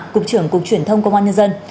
cục trưởng cục truyền thông công an nhân dân